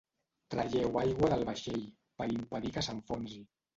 Traieu aigua del vaixell per impedir que s'enfonsi.